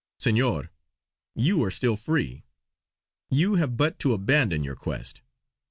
Senor, you are still free. You have but to abandon your quest.